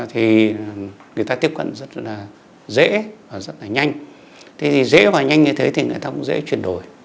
thì người ta tiếp cận rất là dễ và rất là nhanh thế thì dễ và nhanh như thế thì người ta cũng dễ chuyển đổi